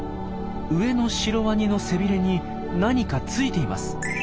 上のシロワニの背びれに何かついています。